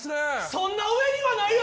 そんな上にはないよ